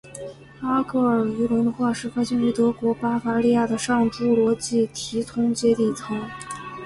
阿戈尔鱼龙的化石发现于德国巴伐利亚的上侏罗纪提通阶地层。